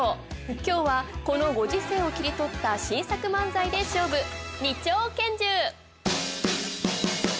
今日はこのご時世を切り取った新作漫才で勝負２丁拳銃。